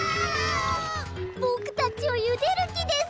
ボクたちをゆでるきです。